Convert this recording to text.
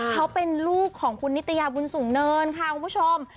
เขาเป็นลูกของคุณนิตยาบุญสูงเนินค่ะคุณผู้ชม